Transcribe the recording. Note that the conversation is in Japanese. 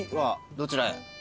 どちらへ？